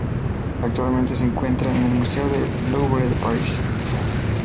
Actualmente se encuentra en el Museo del Louvre de París.